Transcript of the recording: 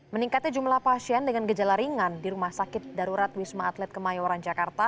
meningkatnya jumlah pasien dengan gejala ringan di rumah sakit darurat wisma atlet kemayoran jakarta